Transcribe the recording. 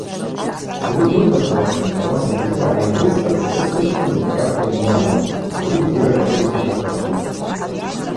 Ауи дырдахуашын, ауаса бзира гӏайзызхаз апхӏвыспачкӏвын лгарта гьйауам: ауи бзиракӏ лзихара йтахъыпӏ.